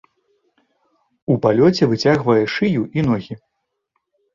У палёце выцягвае шыю і ногі.